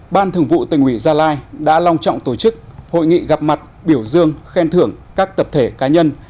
ban thường vụ tỉnh ủy gia lai đã long trọng tổ chức hội nghị gặp mặt biểu dương khen thưởng các tập thể cá nhân